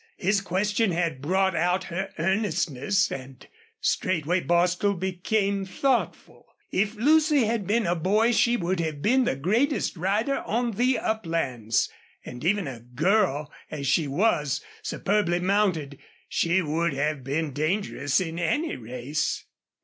His question had brought out her earnestness, and straightway Bostil became thoughtful. If Lucy had been a boy she would have been the greatest rider on the uplands; and even girl as she was, superbly mounted, she would have been dangerous in any race.